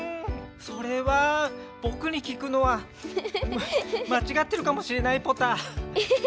それはぼくに聞くのはまちがってるかもしれないポタ。